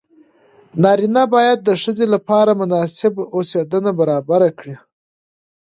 نارینه باید د ښځې لپاره مناسب اوسېدنه برابره کړي.